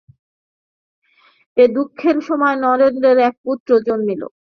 এই দুঃখের সময় নরেন্দ্রের এক পুত্র জন্মিল।